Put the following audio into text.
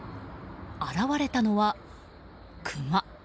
現れたのは、クマ。